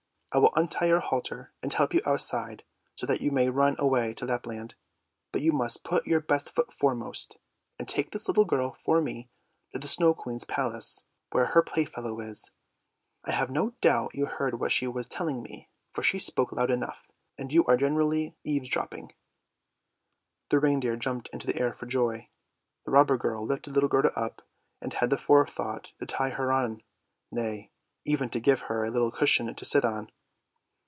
I will untie your halter and help you outside so that you may run away to Lapland, but you must put your best foot foremost, and take this little girl for me to the Snow Queen's palace, where her playfellow is. I have no doubt you heard what she was telling me, for she spoke loud enough, and you are generally eaves dropping! " The reindeer jumped into the air for joy. The robber girl lifted little Gerda up, and had the forethought to tie her on, nay, even to give her a little cushion to sit upon.